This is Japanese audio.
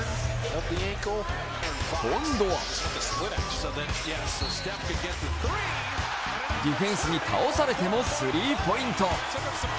今度はディフェンスに倒されてもスリーポイント。